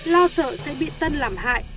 lo sợ sẽ bị tân làm hại